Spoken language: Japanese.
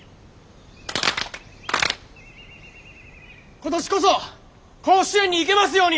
今年こそ甲子園に行けますように！